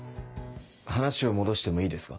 話を戻してもいいですか？